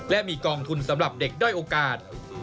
และมีกองทุนสำหรับเด็กด้อยโอกาส